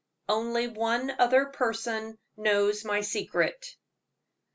"ONLY ONE OTHER PERSON KNOWS MY SECRET."